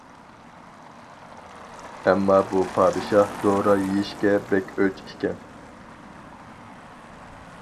ئەمما بۇ پادىشاھ دورا يېيىشكە بەك ئۆچ ئىكەن.